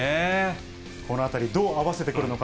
このあたりどう合わせてくるのか。